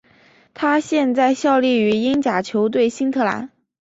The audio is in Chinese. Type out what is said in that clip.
他现在效力于英甲球队新特兰。